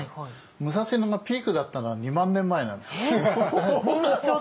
武蔵野がピークだったのは２万年前なんですよ。えっ！？